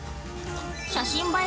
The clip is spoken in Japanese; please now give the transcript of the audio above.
写真映え